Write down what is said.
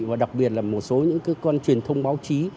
và đặc biệt là một số những cơ quan truyền thông báo chí